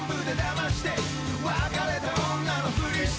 「別れた女のフリして」